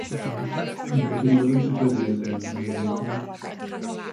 Rwy wedi newid y dyddiad yn fy nyddiadur.